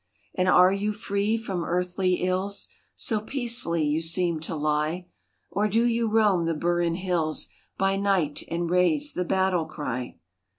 And are you free from earthly ills? So peacefully you seem to lie. Or do you roam the Burren hills By night, and raise the battle cry